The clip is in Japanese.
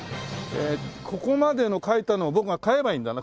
ここまでの描いたのを僕が買えばいいんだな。